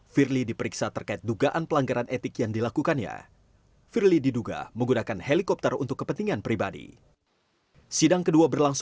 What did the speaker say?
pada saat dewan pengawas mengumumkan hasil putusan sidang etik